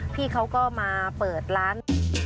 พี่เขาก็มาเปิดร้าน